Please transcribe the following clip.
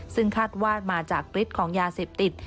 ซึ่งคาดว่ามาจากฤทธิ์ของยาเสพติด